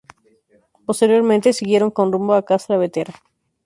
Posteriormente siguieron con rumbo a Castra Vetera.